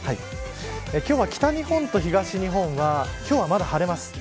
今日は北日本と東日本は今日はまだ晴れます。